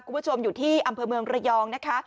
คุณผู้ชมอยู่ที่อำเภอเมืองระยองนะคะ